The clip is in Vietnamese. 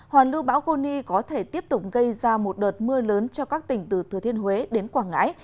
hoàn lưu bão goni có thể tiếp tục gây ra một đợt mưa lớn cho các tỉnh từ thừa thiên huế đến quảng ngãi